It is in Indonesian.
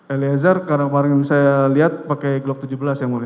eliezer karena kemarin saya lihat pakai glock tujuh belas yang mulia